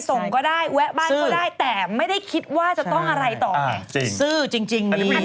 ส่งก็ได้แวะบ้านก็ได้แต่ไม่ได้คิดว่าจะต้องอะไรต่อไงซื้อจริงจริง